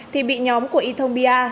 thì bị nhóm của y thông bia